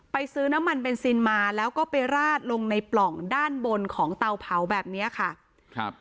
ซื้อน้ำมันเบนซินมาแล้วก็ไปราดลงในปล่องด้านบนของเตาเผาแบบเนี้ยค่ะครับ